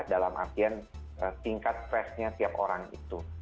dalam artian tingkat freshnya tiap orang itu